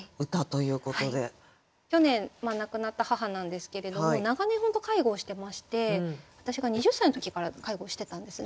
去年亡くなった母なんですけれども長年本当介護をしてまして私が２０歳の時から介護してたんですね。